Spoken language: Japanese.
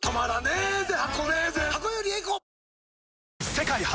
世界初！